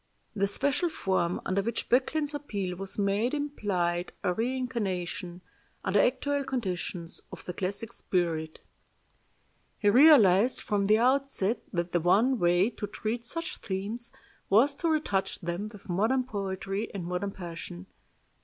The special form under which Böcklin's appeal was made implied a reincarnation, under actual conditions, of the classic spirit. He realized from the outset that the one way to treat such themes was to retouch them with modern poetry and modern passion.